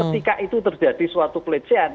ketika itu terjadi suatu pelecehan